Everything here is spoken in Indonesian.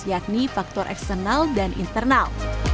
yakni faktor eksternal dan internal